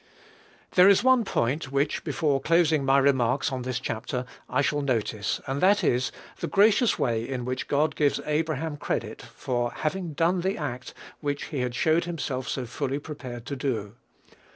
There is one point, which, before closing my remarks on this chapter, I shall notice, and that is, the gracious way in which God gives Abraham credit for having done the act which he had showed himself so fully prepared to do.